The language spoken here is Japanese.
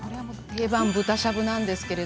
定番の豚しゃぶです。